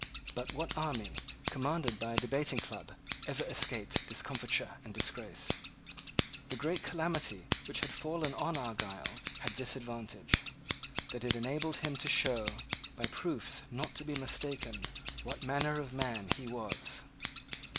But what army commanded by a debating club ever escaped discomfiture and disgrace? The great calamity which had fallen on Argyle had this advantage, that it enabled him to show, by proofs not to be mistaken, what manner of man he was.